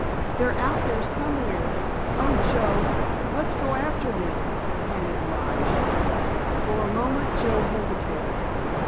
They're out there somewhere. Oh, Joe, let's go after them!" panted Lige. For a moment Joe hesitated.